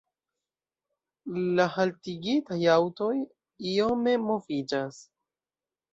La haltigitaj aŭtoj iome moviĝas.